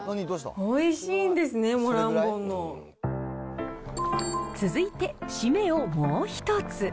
おいしいんですね、モランボンの続いて、締めをもう一つ。